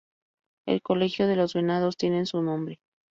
El colegio de Los Venados tiene su nombre.